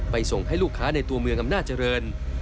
ส่งให้ลูกค้าในตัวเมืองอำนาจริง